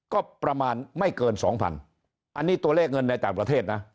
ก็ประมาณไม่เกินสองพันอันนี้ตัวเลขเงินในต่างประเทศนะ